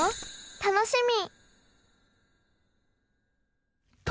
楽しみ！